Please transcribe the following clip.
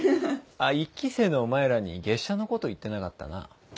１期生のお前らに月謝のこと言ってなかったな。